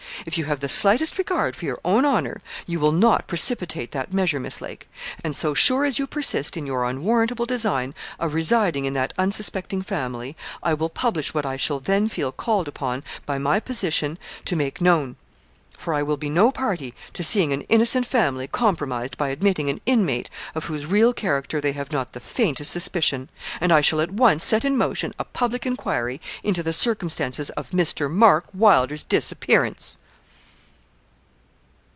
If you have the slightest regard for your own honour, you will not precipitate that measure, Miss Lake; and so sure as you persist in your unwarrantable design of residing in that unsuspecting family, I will publish what I shall then feel called upon by my position to make known; for I will be no party to seeing an innocent family compromised by admitting an inmate of whose real character they have not the faintest suspicion, and I shall at once set in motion a public enquiry into the circumstances of Mr. Mark Wylder's disappearance.'